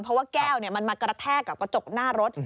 เพราะว่าแก้วมันมากระแทกกับกระจกหน้ารถ